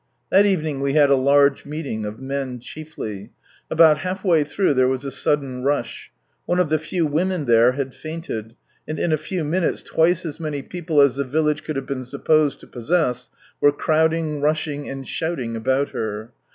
That evening we had a large meeting, of men chiefly. About half way through, there was a sudden rush. One of the few women there had fainted, and in a few minutes twice as many people as the village could have been supposed to possess, were crowding, rushing, and shouting about her.